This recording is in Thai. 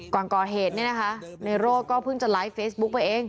ก่อนก่อเหตุเนี่ยนะคะในโรธก็เพิ่งจะไลฟ์เฟซบุ๊กไปเอง